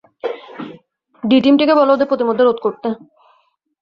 ডি-টিমকে বলো ওদেরকে পথিমধ্যে রোধ করতে।